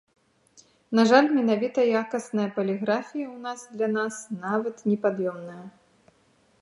На жаль, менавіта якасная паліграфія ў нас для нас нават непад'ёмная.